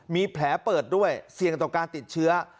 มีแผลเปิดด้วยเสี่ยงต่อการติดเชื้อ